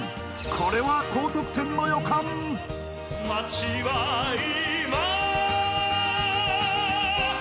これは高得点の予感わあ